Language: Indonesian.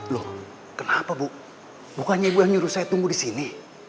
loh kenapa bu bukannya ibu yang nyuruh saya tunggu di sini